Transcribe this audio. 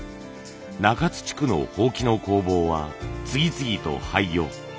中津地区の箒の工房は次々と廃業。